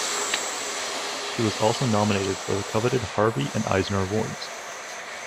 He was also nominated for the coveted Harvey and Eisner Awards.